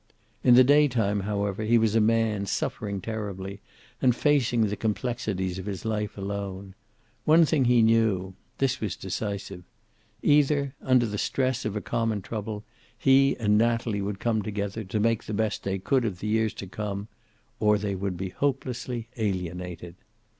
In the daytime, however, he was a man, suffering terribly, and facing the complexities of his life alone. One thing he knew. This was decisive. Either, under the stress of a common trouble, he and Natalie would come together, to make the best they could of the years to come, or they would be hopelessly alienated.